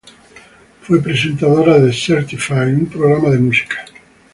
Fue presentadora de "Certified", un programa de música.